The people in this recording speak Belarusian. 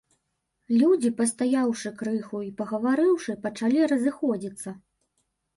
Людзі, пастаяўшы крыху і пагаварыўшы, пачалі разыходзіцца.